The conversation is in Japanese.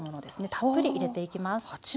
たっぷり入れていきます。